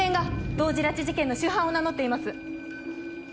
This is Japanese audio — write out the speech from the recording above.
同時拉致事件の主犯を名乗っています。